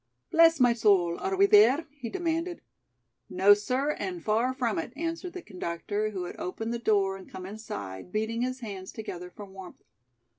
"Bless my soul, are we there?" he demanded. "No, sir, and far from it," answered the conductor, who had opened the door and come inside, beating his hands together for warmth.